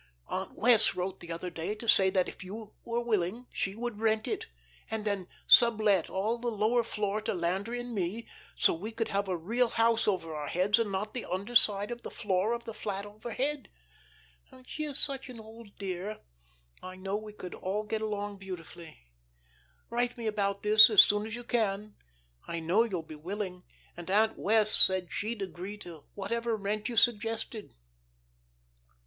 Aunt Wess' wrote the other day to say that, if you were willing, she would rent it, and then sublet all the lower floor to Landry and me, so we could have a real house over our heads and not the under side of the floor of the flat overhead. And she is such an old dear, I know we could all get along beautifully. Write me about this as soon as you can. I know you'll be willing, and Aunt Wess, said she'd agree to whatever rent you suggested.